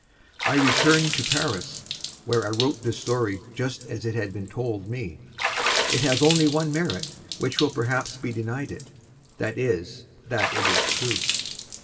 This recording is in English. I returned to Paris, where I wrote this story just as it had been told me. It has only one merit, which will perhaps be denied it; that is, that it is true.